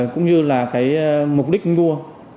cũng như là cái mục đích mua